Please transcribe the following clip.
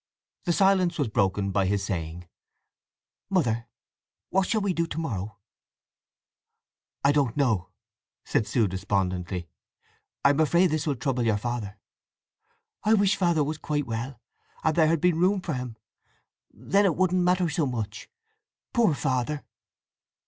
The silence was broken by his saying: "Mother, what shall we do to morrow!" "I don't know!" said Sue despondently. "I am afraid this will trouble your father." "I wish Father was quite well, and there had been room for him! Then it wouldn't matter so much! Poor Father!"